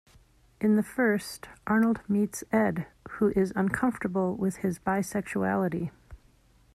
In the first, Arnold meets Ed, who is uncomfortable with his bisexuality.